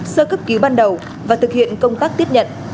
sơ cấp cứu ban đầu và thực hiện công tác tiếp nhận